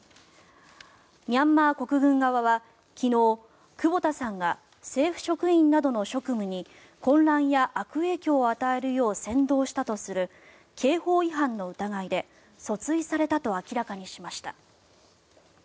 ミャンマー国軍側は昨日、久保田さんが政府職員などの職務に混乱や悪影響を与えるよう扇動したとする刑法違反の疑いで訴追されたと明らかにしました。